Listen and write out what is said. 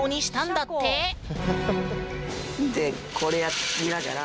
でこれやりながら。